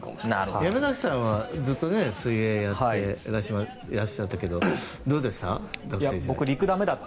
山崎さんはずっと水泳をやってましたけどどうでした？